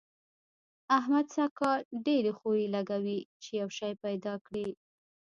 احمد سږ کال ډېرې خوې لګوي چي يو شی پيدا کړي.